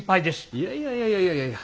いやいやいやいやいやいやいやいや。